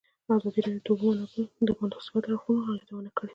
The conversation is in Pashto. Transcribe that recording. ازادي راډیو د د اوبو منابع د مثبتو اړخونو یادونه کړې.